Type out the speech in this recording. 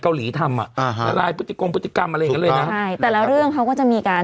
เกาหลีทำอ่ะตามที่ปุธกรมเลยก็เลยแต่ละเรื่องเขาก็จะมีการ